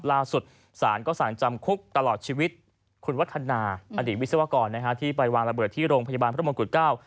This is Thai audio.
ล่าสุดสารก็สั่งจำคุกตลอดชีวิตคุณวัฒนาอดีตวิศวกรนะฮะที่ไปวางระเบิดที่โรงพยาบาลพระมงกุฎเก้า